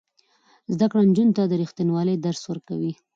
زده کړه نجونو ته د ریښتینولۍ درس ورکوي.